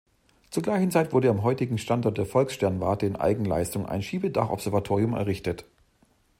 Zur gleichen Zeit wurde am heutigen Standort der Volkssternwarte in Eigenleistung ein Schiebedach-Observatorium errichtet.